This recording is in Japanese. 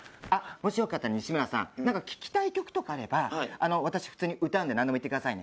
もしよかったら西村さんなんか聴きたい曲とかあれば私普通に歌うんでなんでも言ってくださいね。